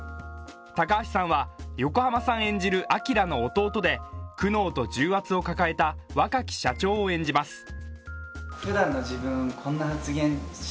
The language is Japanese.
高橋さんは横浜さん演じる彬の弟で苦悩と重圧を抱えた若き社長を演じます。